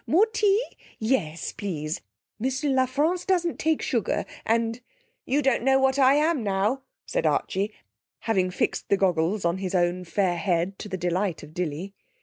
More tea? Yes, please. Mr La France doesn't take sugar, and ' 'You don't know what I am now,' said Archie, having fixed the goggles on his own fair head, to the delight of Dilly.